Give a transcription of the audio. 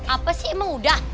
apa sih emang sudah